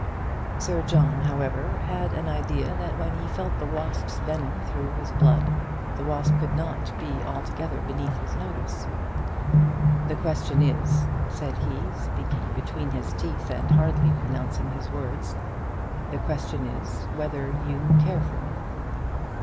Sir John, however, had an idea that when he felt the wasp's venom through all his blood, the wasp could not be altogether beneath his notice. "The question is," said he, speaking between his teeth, and hardly pronouncing his words, "the question is whether you care for me."